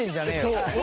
そう。